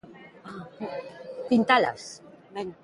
Pintalas!